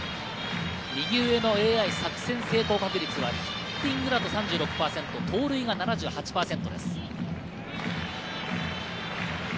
右上のＡＩ作戦成功確率はヒッティングだと３６％、盗塁は７８％です。